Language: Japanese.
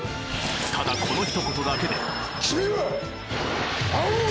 ただこのひと言だけで君は！